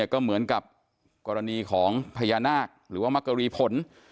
ก็เหมือนกับกรณีของพญานาคหรือว่ามักกรีผล